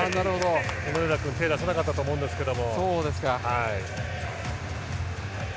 小野寺君、手を出さなかったと思うんですけど。